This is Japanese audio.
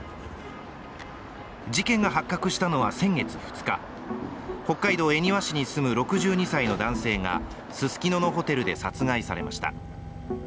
事件が発覚したのは先月２日北海道恵庭市に住む６２歳の男性がススキノのホテルで殺害されました。